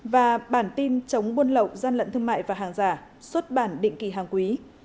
và bản tin chống buôn lậu gian lận thương mại và hàng giả xuất bản định kỳ hàng quý